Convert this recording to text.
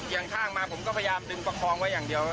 อย่างข้างมาผมก็พยายามดึงประคองไว้อย่างเดียว